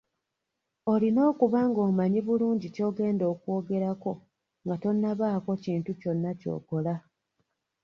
Olina okuba ng’omanyi bulungi ky’ogenda okw’ogerako nga tonnaba kubaako kintu kyonna ky’okola.